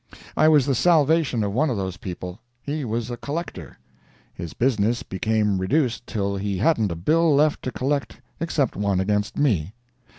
I was the salvation of one of those people. He was a collector. His business became reduced till he hadn't a bill left to collect except one against me.